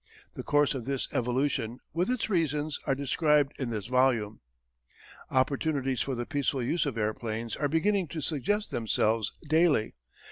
The course of this evolution, with its reasons, are described in this volume. Opportunities for the peaceful use of airplanes are beginning to suggest themselves daily.